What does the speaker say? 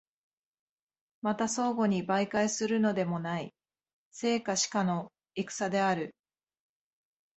また相互に媒介するのでもない、生か死かの戦である。